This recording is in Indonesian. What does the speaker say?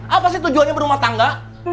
apa sih tujuannya berumah tangga